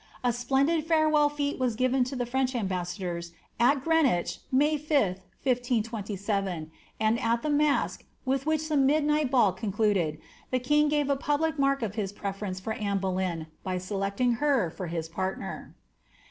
A splendid bre well fete was given to the French ambassadors at Greenwich, May 5th, 1 527, and at the mask, with which the midnight ball concluded, the king gave a public mark of his preference for Anne Boleyn by selecting her for his partner.